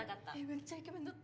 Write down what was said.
めっちゃイケメンだった。